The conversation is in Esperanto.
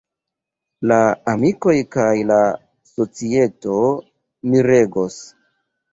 La amikoj kaj la societo miregos.